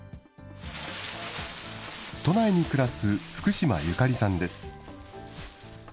都内に暮らす福島友香里さんです。